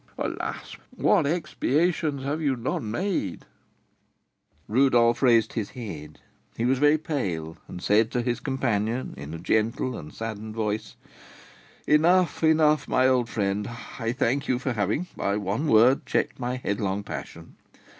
Alas! what expiations have you not made " Rodolph raised his head; he was very pale, and said to his companion, in a gentle and saddened voice, "Enough, enough, my old friend; I thank you for having, by one word, checked my headlong passion.